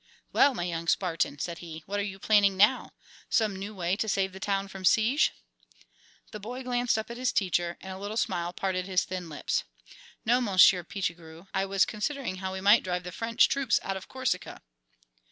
"Well, my young Spartan," said he, "what are you planning now? Some new way to save the town from siege?" The boy glanced up at his teacher, and a little smile parted his thin lips. "No, Monsieur Pichegru, I was considering how we might drive the French troops out of Corsica."